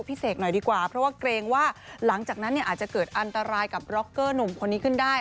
เสกหน่อยดีกว่าเพราะว่าเกรงว่าหลังจากนั้นเนี่ยอาจจะเกิดอันตรายกับร็อกเกอร์หนุ่มคนนี้ขึ้นได้